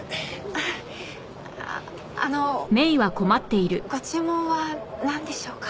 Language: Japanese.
ああのご注文はなんでしょうか？